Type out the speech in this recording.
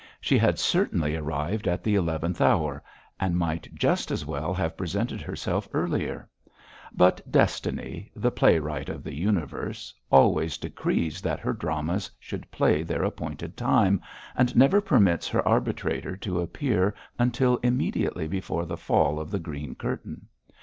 She had certainly arrived at the eleventh hour, and might just as well have presented herself earlier; but Destiny, the playwright of the Universe, always decrees that her dramas should play their appointed time and never permits her arbitrator to appear until immediately before the fall of the green curtain.